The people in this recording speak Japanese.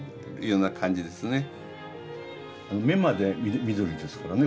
目まで緑ですからね